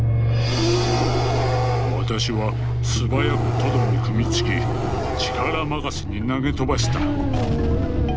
「私は素早くトドに組み付き力任せに投げ飛ばした」。